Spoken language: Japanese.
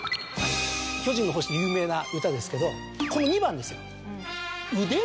『巨人の星』の有名な歌ですけどこの２番ですよ。